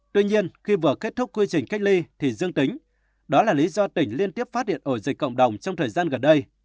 tuy nhiên khi vừa kết thúc quy trình cách ly thì dương tính đó là lý do tỉnh liên tiếp phát hiện ổ dịch cộng đồng trong thời gian gần đây